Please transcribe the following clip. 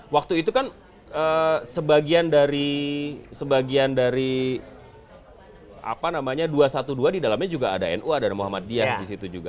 waktu itu kan sebagian dari dua ratus dua belas di dalamnya juga ada nu ada muhammad dian disitu juga